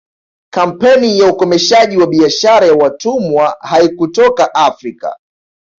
Kampeni ya ukomeshaji wa biashara ya watumwa haikutoka Afrika